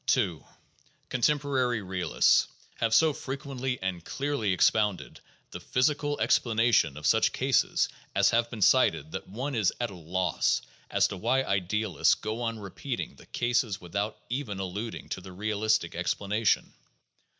PSYCHOLOGY AND SCIENTIFIC METHODS 395 II Contemporary realists have so frequently and clearly expounded the physical explanation of such cases as have been cited that one is at a loss as to why idealists go on repeating the eases without even alluding to the realistic explanation.